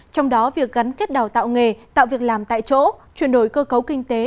trong đó việc gắn kết đào tạo nghề tạo việc làm tại chỗ chuyển đổi cơ cấu kinh tế